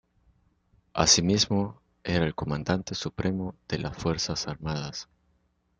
Asimismo, era el comandante supremo de las Fuerzas Armadas.